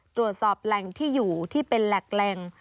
ตรวจสอบแหล่งที่อยู่ที่เป็นแหล่ง